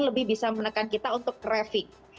lebih bisa menekan kita untuk traffic